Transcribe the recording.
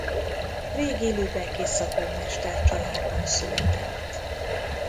Régi lübecki szabómester családban született.